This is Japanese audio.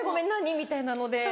みたいなので。